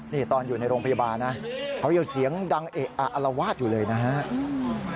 นี่ตอนอยู่ในโรงพยาบาลนะเขายังเสียงดังเอะอะอลวาดอยู่เลยนะครับ